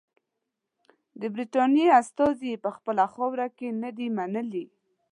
د برټانیې استازي یې په خپله خاوره کې نه دي منلي.